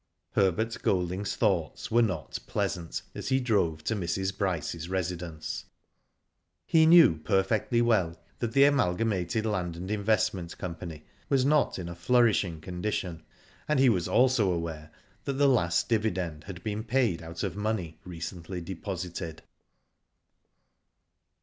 Herbert Golding's thoughts were not pleisant as he drove to Mrs. Bryce's residence He knew perfectly well that the Amalgamated Land and Investment Company was not in a flourishing condition, and he was also aware that the last dividend had been paid out of money recently deposited.